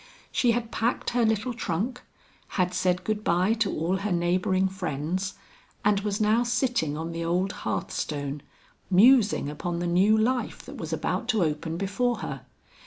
She had packed her little trunk, had said good bye to all her neighboring friends and was now sitting on the old hearthstone, musing upon the new life that was about to open before her.